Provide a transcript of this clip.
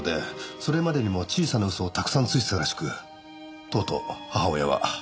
それまでにも小さな嘘をたくさん吐いてたらしくとうとう母親は。